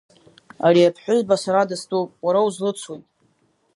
Ари аԥҳәызба сара дыстәуп, уара узлыцуи?!